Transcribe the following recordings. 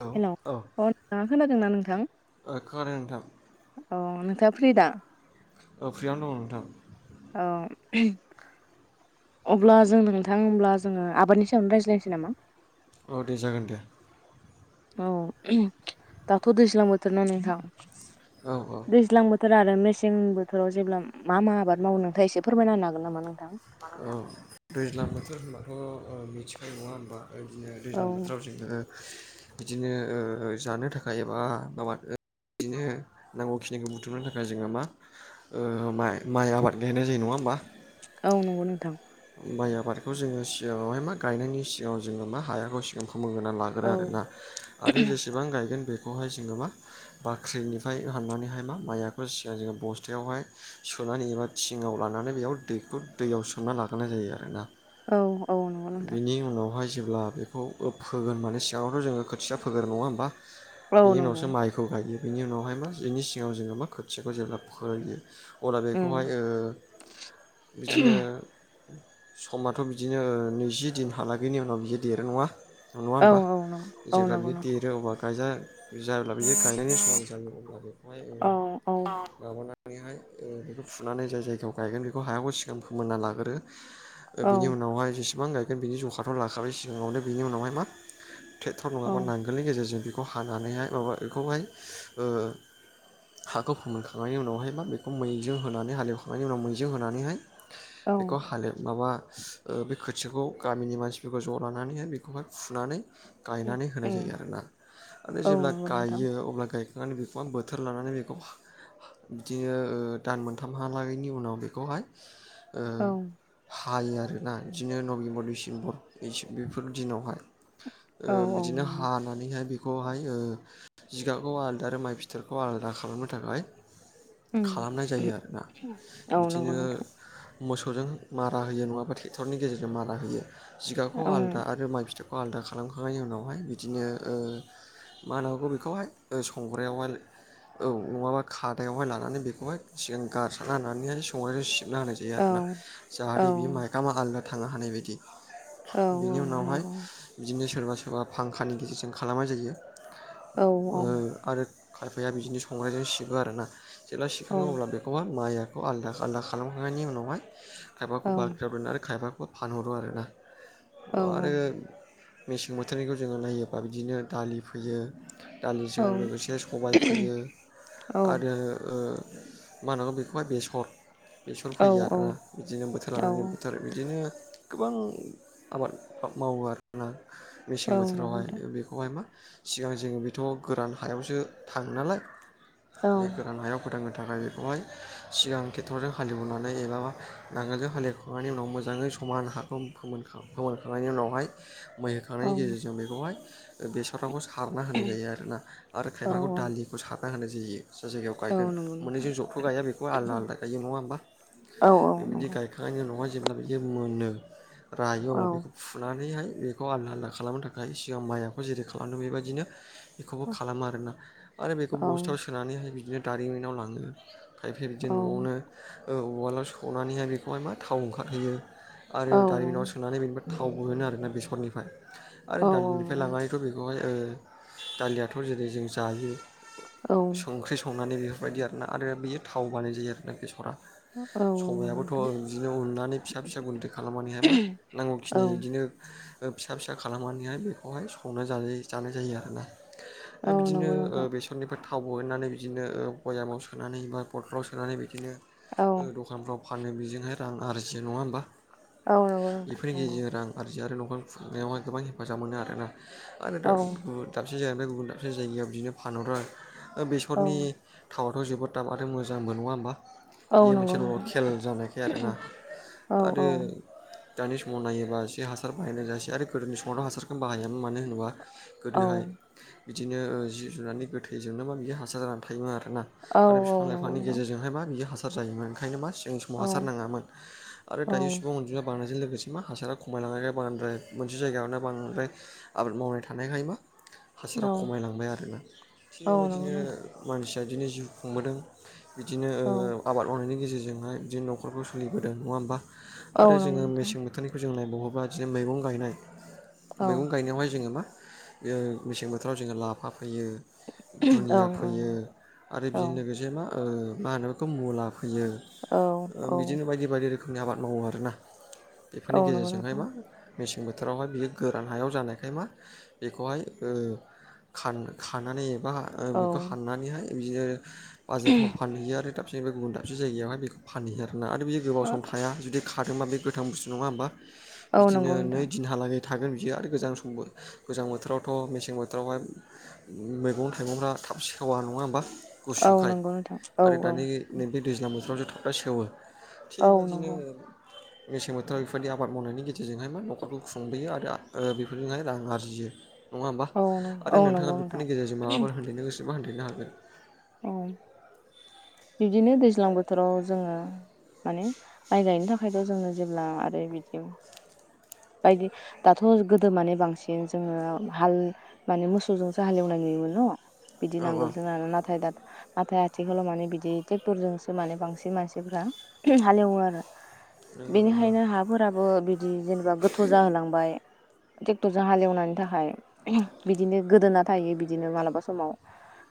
औ हेलौ अ औ नोंथांङा खोनादोंना नोंथां ओ खोनादों नोंथां अ नोंथांङा फ्रि दा औ फ्रियावनो दं नोंथां औ अब्ला जों नोंथां होनब्ला जोंङो आबादनि सायावनो रायज्लायनोसै नामा औ दे जागोन दे औ दाथ दैज्लां बोथोर नोंथां औ औ दैज्लां बोथोर आरो मेस सें बोथोराव जेब्ला मा-मा आबाद मावो नोंथांङा एसे फोरमायना हागोन नामा नों औ दैज्लां बोथोर होनबाथ ओ मिथिखाङो नंङा होनबा बिदिनो औ दैज्लां बोथोराव जोंङो बिदिनो ओ-ओ जानो थाखाय एबा माबाद ओ बिदिनो नांगौ खिनिखौ बुथुमनो थाखाय जोंङो मा माइ आबाद गायनाय जायो नंङा मा औ नंगौ नोंथां माइ आबादखौ जोंङो सिगांङावहाय मा गायनायनि सिगांङाव जोंङो मा हायाखौ सिगां खुमों होना लाग्रो औ आरोोना आरो जेसेबां गायगोन बे जोङो मा बाख्रिनिफ्राय हाननानैहाय मा मायाबो सिगांजों बस्थायावहाय सुनानै एबा थिङाव लानानै बेयाव दैखौ दैयाव सोमना लाग्रोनाय जायो आर ना औ औ नंगौ नोंथां जेब्ला बेखौ फोगोन माने सिगाङावथ' जोङो खोथिया फोगोन नङा होमबा औ बेनि नंगौ उनावसो माइखौ गायो बेनि उनावहाय मा बिनि सिगाव जोङो मा खोथिखौ जेब्ला फरायो अब्ला उम बेखौहाय बिदिनो समाथ' बिदिनो नैजि दिनहाालागैनि उनाव बियो देरो नङा नङा औ होमबा औ नंगौ औ जेब्ला नंगौ बियो नंगौ देरो अब्ला गायजा जायोब्ला बिदि गायनायनि समां जायो अब्ला औ औ बेखौहायाब हाय बेखौ फुनानै जाय जायगायाव गायगोन बेखौ हायाखौ सिगां फोमोनना लाग्रो बिनि औ उनावहाय जेसेबां गायगोन बिनि जखााथ' लाखाबाय सिगाङावनो बिनि उनावहाय मा ट्रेक्टर औ नङाबा नांगोलनि गेजेरजों बेखौ हानानैहाय माबा बेखौहाय हाखौ फोमोनखांनायनि उनावहाय बा बेखौ मैजों होनानै हालेवखांनायनि उनाव मैजों होनानैहाय औ बेखौ हाले माबा बे खोथियाखौ गामिनि मानसिफोरखौ ज' लानानैहाय बेखौहाय फुनानै उम गायनानै होनाय उम जायो आरोोना म औ जेब्ला नंगौ नोंथां गायो अब्ला नानै बेखौ बोथोर लानानै बेखौ बिदिनो दान मोनथामहालागैनि उनाव बेखौहाय औ हायो आरोना बिदिनो नभेम्बर डिसेम्बर बेफोर दिनावहाय औ औ बिदिनो नंगौ हानानैहाय बेखौहाय जिगाबखौ आलादा आरो माइ फिथोरखौ आलादा खालामनो थाखाय खालामनाय उम जायो आरोना औ नंगौ बिदिनो नोंथां मोसौजों मारा होयो नङाबा ट्रेक्टरनि गेजेरजों मारा होयो जिगाखौ ओं आलादा आरो माइ फिथोबखौ आलादा खालामखांनायनि उनावहाय बिदिनो मा होन हागौ बेखौहाय संग्रायावहाय औ नङाबा खादायावहाय लानानै बेखौहाय सिगां गारसना होननानैहाय संनायसिगोन साबना होनाय जायो औ आरोना औ जाहाथे बियो माइखामा आलदा थांनो हानाय बायदि औ औ बेनि उनावहाय नंगौ बिदिनो सोरबा सोरबा फांखानि गेजेरजों खालामनाय जायो औ औ आरो खायफाया बिदिनो संग्रजों सिबो आर ना जेब्ला औ सिखाङो अब्ला बेखौहाय माइ आरो आलदा आलादा खालामांनायनि उनावाय खायफाखौ औ बाल आरो खाया बे फानहरो आरोना औ आरो मेसें बोथोरनिखौ जोङो नायोबा बिदिनो दालि फोयो औ दालिजों लोगोसे सबाय फोयो आरो मा होनांगौ बेखौहाय बेसर बेसर औ फैयो आरोना बिदिनो बोथोर औ लानानै बोथोर बिदिनो इदिनो गोबां आबाद मावो आरोना मेसें औ नंगौ बोथोरावहाय नोंथां बेखौहाय मा सिगां जोङो बेथ' गोरान हायावसो थाङो नालाय बे गोरान हायाव गोोदां थाखाय बेखौहाय सिगां खेथरजों हालेवनानै एबाा नांगोलजों हालेवखांनायनि उनाव मोजाङै समान हाखौ फोमोनखांनायनि उनावहाय मै औ होखांनायनि गेजेरजों बेखौहाय बे सराखौ सारना होनाय जायो आरोना आरो औ खायफाखौ दालिखौ सारना होनाय जायो जाय जायगायाव औ गायगोन नंगौ नोंथां मोननैजों जबथ' गाया बेखौ आलदा आलादा गायो नङा होमबा औ औ बे बिदि नंगौ गायखांनायनि उनावहाय जेब्ला बियो मोनो रायो औ अब्ला बेखौ फुनानैहाय बेखौ आलदा आलदा खालामनो थाखाय सिगां माइखौ जेरै खालामदों बेबायदिनो बेखौबो खालामो आरोना आरो बेखौ औ बस्थाव सोनानैहाय बिदिनो दारिमिनाव लाङो खायफै औ इदिनो न'आवनो उवालाव सौनानैहाय बेखौहाय मा थाव ओंखारहोयो आरो औ दालिमनाव सुनानै बेनिफ्राय थाव मोनो आरोना बेसरनिफ्राय आरो औ दालिनिफ्राय लांनानैथ बेखौहाय दालियाथ जेरै जों जायो संख्रि संनानै बेफोरबायदि आरोना आरो बेयो थाव बानाय जायो आरो ना बेसरा नंगौ सबायाइाबोथ नोंथां बिदिनो उननानै फिसा फिसा गुन्दै खालामनानैहाय मा नांगौखिनि औ बिदिनो फिसा फिसा खालामनानैहाय बेखौहाय संनो जानाय जायो आरोना औ बिदिनो नंगौ नोंथां बेसरनिफ्राय थाव बहोननानै बिदिनो बयामाव सोनानै बा पथलाव सोनानै बिदिनो औ दख थाव फानो बेजोंहाय रां आरजियो नङा होमबा औ नंगौ नोंथां बेफोरनि नंगौ गेजेरजों रां आरजि आरो नखर फुंनायावहाय गोबां हेफाजाब मोनो आरोना आरो औ दाबसे जायगानिफ्राय गुबुन दाबसे जायगायाव बिदिनो फानहर्रा बेसरनि औ थाव थ जोबोद थाब आरो मोजांबो नङा होमबा औ नंगौ नोंथां खेल जानायखाय आरोना औ आरो दानि समाव नायोबा एसे हासार बाहायनाय जायासै आरो गोदोनि समावथ हासारखौनो बाहायामोन मानो होनोबा गोदोहाय औ बिदिनो जि जुनानै गोथैजोंनोबा बियो हासार जानानै थायोमोन आरो औ आरो बिफां औ नंगौ लाइफांनि नोंथां गेजेरजोंहायबा बियो हासार जायोम ओंखायनो मा सिं समाव औ हासार नाङामोन आरो दायो औ सुबुं अनजुमा बारनायजों लोगोसे मोनसे मा हासारखौ खमायलांनायखाय बांद्राय मोनसे जायगायावनो बांद्राय आबाद मावनाय थानायखाय मा औ हासाराव खमायलांबाय आरोना थिग औ नंगौ बेबायदिनो नोंथां मानसि बिदिनो जिउ खुंबोदों बिदिनो औ आबाद मावनायनि गेजेरजों हाय नखरखौ खुंबोदों नङा होनबा औ आरो नंगौ नोंथां मेसें बोथोरनिखौ बहबा बिदिनो मैगं गायनाय औ मैगं गायनायावहाय जोङो मा मेसें बोथोराव जोङो लाफा फैयो दुनिया ओं फैयो ओं आरो औ बेजों लोगोसे मा मा होनो बेखौ मुला फैयो। औ औ बिदिनो बायदि बायदि रोखोमनि आबाद मावो आरोना औ बेफोरनि नंगौ गेजेरजोंहाय नोंथां मा मेसें बोथोरावहाय बियो गोरान हायाव जानायखाय मा बेखौहाय खान खानानै एबा औ बेखौ हाननानैहाय बिदिनो बाजारफ्राव फानहैयो आरो दाबसे दाबसे बे गुबुन दाबसे जायगायावहाय बेखौ फानहैयो आरोना आरो बेदि गोबाव सम थाया जुदि खादोंबा बे गोथां बुस्थु नङा होमबा औ बिदिनो नंगौ नै नोंथां दिनहालागै थागोन बियो आरो गोजां समबो गोजां बोथोरावथ मेसें बोथोरावहाय मैगं थाइगंफ्रा थाब सेवा नङा होमबा औ गुसुखाय नंगौ नोंथां औ आरो औ दानि नैबे दैज्लां बोथोरावथ थाब ब सेवो औ थिगबायदिनो नंगौ मेसें बोथोराव बेफोरबायदि आबाद मावनायनि गेजेरजोंहाय मा नखरखौ खुंबोयो आरो बेफोरजोंहाय रां आरजियो नङा होमबा औ नंगौ आरो औ नोंथाङा नंगौ नोंथां बेफोरनि गेजेरजों माबाफोर होनन्देरनो गोसोबा होनन्देरनो हागोन औ बिदिनो दैज्लां बोथोराव जोङो माने माइ गायनो थाखायथ जोङो जेब्ला आरो बिदि बायदि दाथ गोदो माने बांसिन जोङो हाल माने मोसौजोंसो हालेवनाय नुयो बिदि औ नांगोल जोंना नाथाय दा हाथाइ आथिखालाव माने बिदि ट्रेक्टरजोंसो माने बांसिन मानसिफ्रा हालेवो आरो नंगौ नंगौ बेनिखायनो हाफोराबो बिदि जेनेबा गोथौ जाहोलांबाय ट्रेक्टरजों हालेवनायनि थाखाय बिदिनो गोदोना थायो बिदिनो मालाबा समाव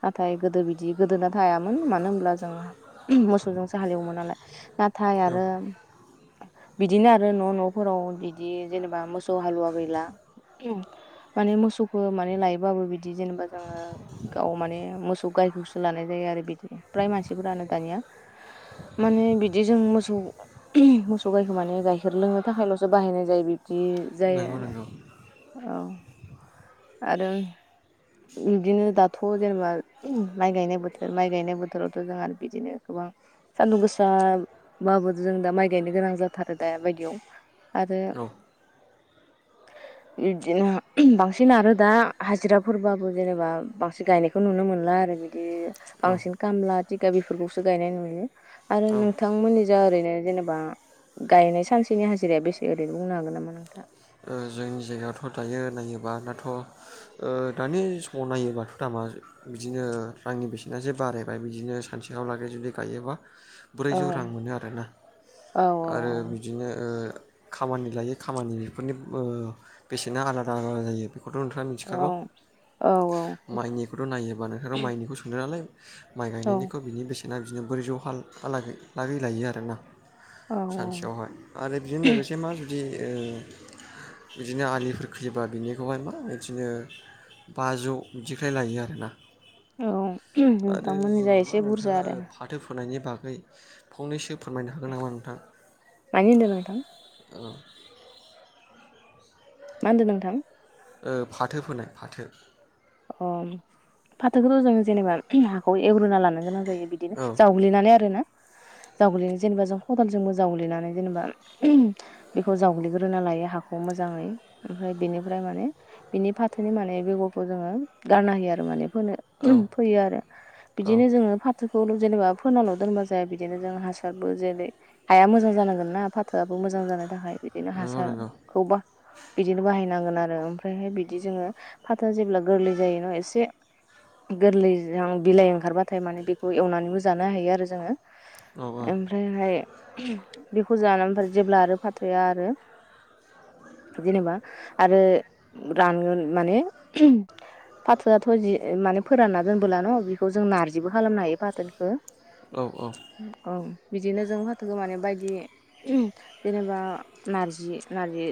नाथाय गोदो बिदि गोदोना थायामोन मानो होनब्ला जों मोसौजोंसो हालेवोमोन नालाय नाथाय औ आरो बिदिनो आरो न' न'फोराव बिदि जेनेबा मोसौ हालुवा गैला माने मोसौखौ माने लायोबाबो बिदि जेनेबा जोङो गाव माने मोसौ गायखौसो लानाय जायो आरो बिदि फ्राय मानसिफोरानो दानिया माने बिदि जों मोसौ मोसौ गायखौ माने गायखेर लोंनो थाखायलसो बाहायनाय जाय बिदि जायो नंगौ आरो नंगौ औ आरो बिदिनो दाथ जेनेबा माइ गायनाय बोथोर माइ गायनाय बोथोरावथ जोंहा आरो बिदिनो गोबां सानदुं गोसाबाबो जों दा माइ गायनो गोनां जाथारो दा बायदियाव आरो औ बिदिनो बांसिन आरो दा हाजिरा फोरबाबो जेनेबा बांसिन गायनायखौ नुनो मोनला आरो बिदि औ बांसिन खामला थिगा बेफोरखौसो गायनाय नुयो आरो औ ओ नोंथांमोननि जों ओरैनो जेनेबा गायनाय सानसेनि हाजिराया बेसे ओरैनो बुंनो हागोन नामा नोंथाङा? ओ जोंनि जायगायावथ' दायो नायोबा दाथ' दानि समाव नायोबाथ' दामा बिदिनो रांनि बेसेना जे बारायबाय बिदिनो सानसेहालागै जुदि गायोबा औ ब्रैजौ रां मोनो आरोना औ आरो बिदिनो खामानि लायै खामानि बेफोरनि बेसेना आलादा आलादा जायो बेखौथ' नोंथाङा औ मिथिखागौ औ माइनिखौथ' नायोबा नोंथाङा माइनिखौ सोंदों नालाय माइ गायनायनिखौ बिनि बेसेना बिदिनो ब्रैजौ हालागै लायो आरोना औ सानसेयावहाय आरो बेजों लोगोसे मा जुदि ओ बिदिनो आलिफोर खैयोबा बिनिखौहाय मा बिदिनो बाजौ बिदिखाय लायो आरोना औ आरो नोंथांमोननि जा जोङो मा एसे बुरजा नोंथाङा आरो फाथो फोनायनि बागै फंनैसो फोरमायनो हागोन नामा नोंथां मानि होनदों नोंथां औ मा होनदों नोंथां? ओ फाथो फोनाय फाथो अ फाथोखौथ' जों जेनेबा हाखौ एवग्रोना लानोगोनां जायो बिदिनो औ जाग्लिनानै आरो ना जावग्लिनाय जेनेबा जों खदालजोंबो जावग्लिनानै जेनेबा बेखौ जावग्लिग्रोना लायो हाखौ मोजांयै ओमफाय बेनिफ्राय माने बिनि फाथोनि माने बेगरफोर जोङो गारना होयो आरो माने फोनो औ फोयो आरो औ बिदिनो जों फाथो खौ जेनेबा फोनाल' दोनबा जाया बिदिनो जों हासारबो जेरै हाया मोजां जानांगोन ना फाथोआबो मोजां मोजां जानो थाखाय बिदिनो नंगौ नंगौ हासारखौबा बिदिनो बाहायनांगोन आरो ओमफ्रायहाय बिदि जोङो फाथोया जेब्ला गोरलै जायो ना एसे गोरलै बिलाइ ओंखारबाथाय माने बेखौ एवनानैबो जानो हायो आरो जोङो औ औ ओमफ्रायहाय बेखौ जानानै जेब्ला आरो फाथोया आरो जेनेबा आरो रानगोन माने फाथोआथ' जि माने फोरानना दोनबोला न' बेखौ जों नारजिबो खालामनो हायो फाथोखौ औ औ औ बिदिनो जों फाथोखौ मानि बायदि जेनेबा नारजि नारजि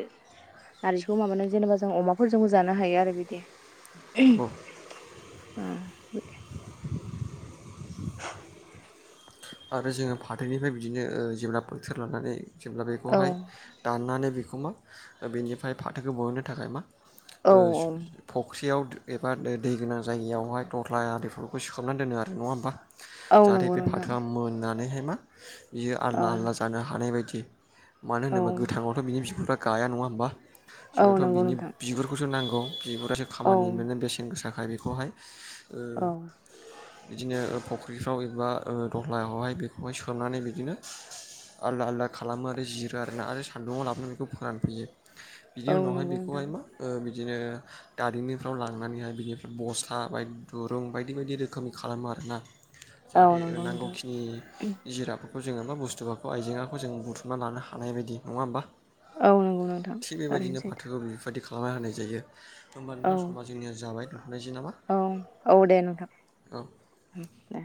नारजिखौबो माबानो जेनेबा जों अमाफोरजोंबो जानो हायो आरो बिदि [inaudible] औ आरो जोङो फाथोनिफ्राय बिदिनो जेब्ला बोथोर लानानै जेब्ला औ बेखौहाय दाननानै बेखौ मा बेनिफ्राय फाथोखौ बहननो थाखाय मा औ ओ फख्रियाव एबा दै गोनां जायगायावहाय दह्ला आरिफोरखौ सोमनानै दोनो आरो नङा होमबा औ नंगौ नोंथां सोमनानैहाय मा बियो औ आलदा आलदा जानो हानाय बायदि मानो होनोबा औ गोथाङावथ' बिनि बिगुरफ्रा गाया नङा होमबा औ जोंनाावथ' नंगौ बिनि नोंथां बिगुरखौसो नांगौ। बिगुरासो औ खामानि मोनो बेसेन गोसााखाय बेखौहाय। औ बिदिनो फुख्रिफ्राव एबा दह्लाखौहाय बेखौहाय सोनानै बिदिनो। आलदा आलदा खालामो आरो जिरो आरोना आरो सान्दुङआव लाबोनानैखौ फोरानफैयो। बिनि औ उनावहाय नंगौ नोंथां बेखौहाय मा? बिदिनो दारिमिफ्राव लांनानैहाय बिनिफ्राय बसथा बायदग दुरुं बायदि बायदि रो रोखोमनि खालामो आरोना औ जाहाथे नंगौ नोंथां नांगौखिनि जिरा। बे जो बा बुस्थुफोरखौ आइजेंआाखौ जों बुथुमना लानो हानाय बायदि नङा होमबा? औ नंगौ नोंथां थिग थारैनो बेबायदिनो सैथो फाथोखौ बेबायदि खालाम। खालामना होनाय जायो होमबा औ नोंथां समा जोंनिया जाबाय। दोनथ'नायसै नामा औ औ दे नोंथां औ द।